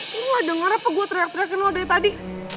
lo udah denger apa gue teriak teriakin lo dari tadi